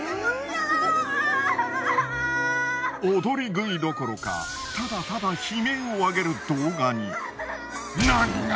踊り食いどころかただただ悲鳴をあげる動画に。